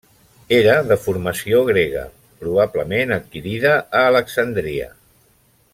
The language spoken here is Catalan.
Era de formació grega, probablement adquirida a Alexandria.